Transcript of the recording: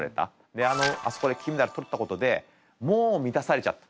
であそこで金メダル取ったことでもう満たされちゃった。